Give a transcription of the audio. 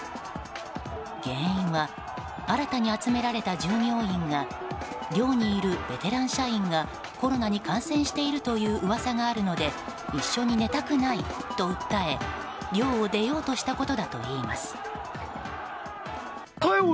原因は新たに集められた従業員が寮にいるベテラン社員がコロナに感染しているという噂があるので一緒に寝たくないと訴え寮を出ようとしたことだといいます。